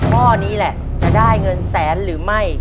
ข้อนี้แหละจะได้เงินแสนหรือไม่